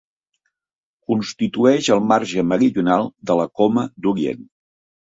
Constitueix el marge meridional de la Coma d'Orient.